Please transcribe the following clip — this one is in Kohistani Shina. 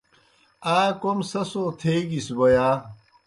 آ کوْم سہ سو تھیگِس بوْ یا؟